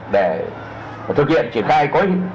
để thực hiện triển khai